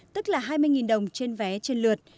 tức là hai mươi đồng trên vé trên lượt